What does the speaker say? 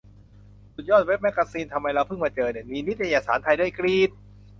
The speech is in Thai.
สุดยอดเว็บแม็กกาซีน ทำไมเราเพิ่งมาเจอเนี่ย ! มีนิตยสารไทยด้วย กรี๊ด !